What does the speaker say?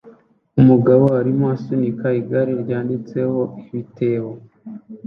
Umugabo arimo asunika igare ryanditseho ibitebo